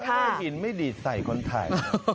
ถ้าหินไม่ดีดใส่คนไทย